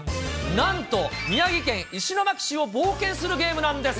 なんと、宮城県石巻市を冒険するゲームなんです。